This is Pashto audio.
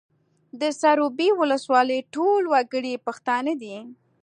د سروبي ولسوالۍ ټول وګړي پښتانه دي